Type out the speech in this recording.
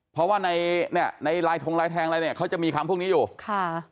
เพราะว่าในเนี่ยในลายทงลายแทงอะไรเนี่ยเขาจะมีคำพวกนี้อยู่ค่ะ